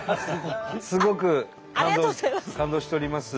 すごく感動しております。